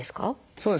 そうですね。